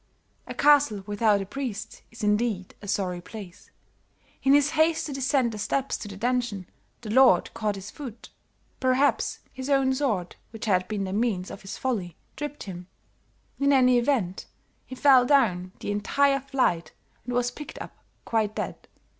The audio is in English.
A castle without a priest is indeed a sorry place; in his haste to descend the steps to the dungeon the lord caught his foot; perhaps his own sword, which had been the means of his folly, tripped him; in any event, he fell down the entire flight and was picked up quite dead."